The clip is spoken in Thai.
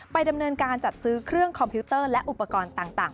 ดำเนินการจัดซื้อเครื่องคอมพิวเตอร์และอุปกรณ์ต่าง